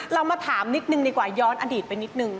เรามาถามนิดนึงดีกว่าย้อนอดีตไปนิดนึง